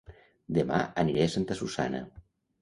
Dema aniré a Santa Susanna